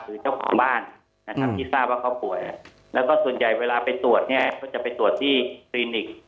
เจ้าของบ้านนะครับที่ทราบว่าเขาป่วยแล้วก็ส่วนใหญ่เวลาไปตรวจเนี่ยก็จะไปตรวจที่คลินิก